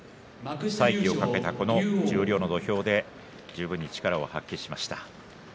再起を懸けたこの十両の土俵で十分に力を発揮しました。